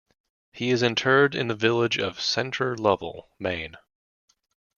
He is interred in the village of Center Lovell, Maine.